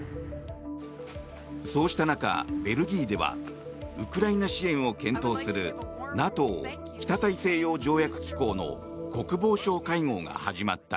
そうした中、ベルギーではウクライナ支援を検討するＮＡＴＯ・北大西洋条約機構の国防相会合が始まった。